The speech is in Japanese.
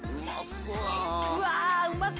うわうまそう！